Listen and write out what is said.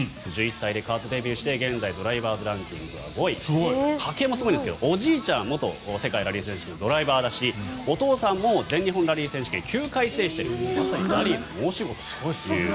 １１歳でカートデビューして現在ドライバーズランキングは５位家系もすごいんですがおじいちゃんは元ラリー選手権の選手だしお父さんも全日本ラリー選手権を９回制しているというまさにラリーの申し子という。